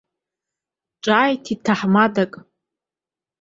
Ҿааиҭит ҭаҳмадак.